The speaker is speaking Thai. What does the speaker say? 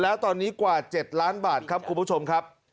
แล้วตอนนี้กว่า๗ล้านบาทครับคุณผู้ชมครับ